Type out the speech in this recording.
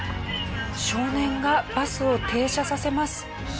少年がバスを停車させます。